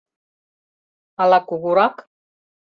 Ала кугурак?